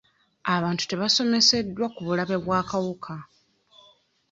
Abantu tebasomeseddwa ku bulabe bw'akawuka.